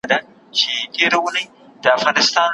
عُمر مي دي ستاسی، وايي بله ورځ